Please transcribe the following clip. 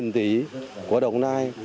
sáu tỷ của đồng nai